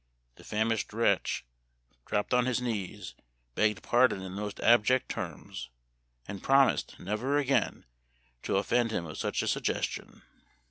The famished wretch dropped on his knees, begged pardon in the most abject terms, and promised never again to offend him with such a suggestion.